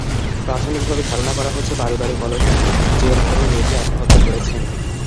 প্রাথমিকভাবে ধারণা করা হচ্ছে, পারিবারিক কলহের জের ধরে নেভি আত্মহত্যা করেছেন।